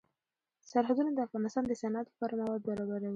سرحدونه د افغانستان د صنعت لپاره مواد برابروي.